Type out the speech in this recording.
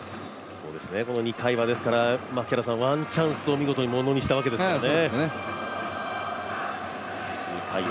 ２回はワンチャンスを見事にものにしたわけですよね。